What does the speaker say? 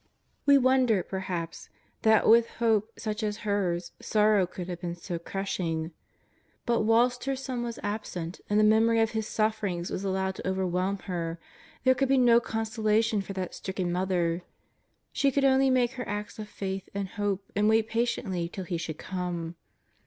We wonder, perhaps, that with hope such as hers sorrow could have been so crushing. But, whilst her Son was absent and the memory of His suf ferings was allowed to overwhelm her, there could be no consolation for that stricken Mother. She could only make her acts of faith and hope, and wait pa tiently till He should come.